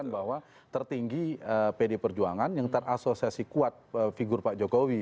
bahwa tertinggi pd perjuangan yang terasosiasi kuat figur pak jokowi